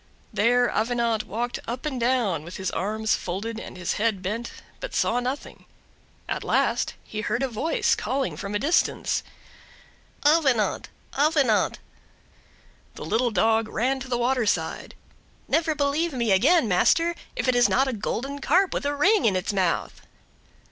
There Avenant walked up and down, with his arms folded and his head bent, but saw nothing. At last he heard a voice, calling from a distance, "Avenant, Avenant!" The little dog ran to the water side.—"Never believe me again, master, if it is not a golden Carp with a ring in its mouth!"